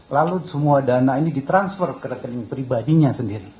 lalu semua dana ini ditransfer ke rekening pribadinya sendiri